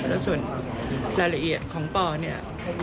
แล้วส่วนรายละเอียดของปอเนี่ย